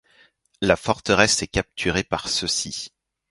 La forteresse est capturée par ceux-ci.